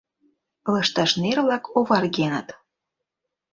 Лышташнер-влак оваргеныт.